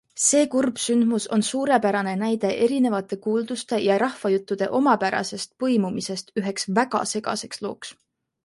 See kurb sündmus on suurepärane näide erinevate kuulduste ja rahvajuttude omapärasest põimumisest üheks väga segaseks looks.